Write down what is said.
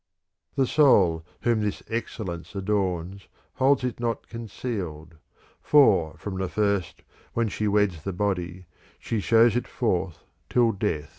VII The soul whom this excellence adorns, holds it not concealed ; for, from the first when she weds the body, she shews it forth till death.